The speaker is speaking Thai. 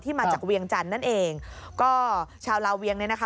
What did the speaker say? มาจากเวียงจันทร์นั่นเองก็ชาวลาเวียงเนี่ยนะคะ